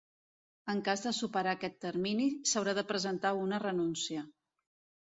En cas de superar aquest termini s'haurà de presentar una renúncia.